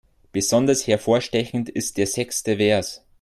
Besonders hervorstechend ist der sechste Vers.